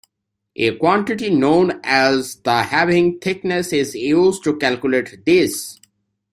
A quantity known as the halving-thicknesses is used to calculate this.